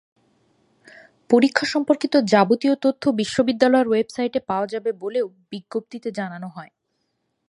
পরীক্ষা সম্পর্কিত যাবতীয় তথ্য বিশ্ববিদ্যালয়ের ওয়েবসাইটে পাওয়া যাবে বলেও বিজ্ঞপ্তিতে জানানো হয়।